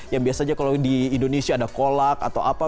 yang biasanya kalau di indonesia ada kolak atau apa